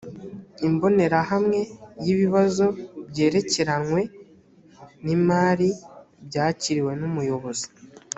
imbonerahamwe yibibazo byerekeranywe n imari byakiriwe numuyobozi